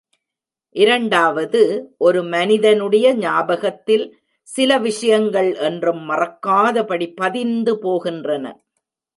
இரண்டாவது, ஒரு மனிதனுடைய ஞாபகத்தில் சில விஷயங்கள் என்றும் மறக்காதபடி பதிந்து போகின்றன.